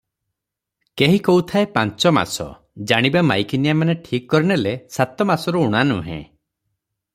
କେହି କହୁଥାଏ ପାଞ୍ଚ ମାସ, ଜାଣିବା ମାଇକିନିଆମାନେ ଠିକ କରିନେଲେ, ସାତ ମାସରୁ ଊଣା ନୁହେ ।